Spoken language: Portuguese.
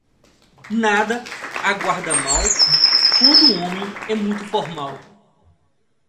Nada aguarda mal, quando um homem é muito formal.